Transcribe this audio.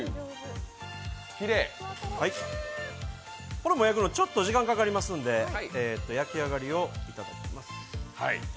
ホルモン焼くのちょっと時間かかりますので焼き上がりをかえます。